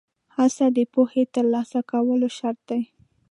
هڅه د پوهې ترلاسه کولو شرط دی.